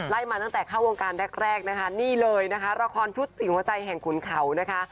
มาตั้งแต่เข้าวงการแรกนะคะนี่เลยนะคะละครชุดสีหัวใจแห่งขุนเขานะคะ